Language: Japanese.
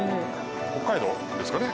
北海道ですかね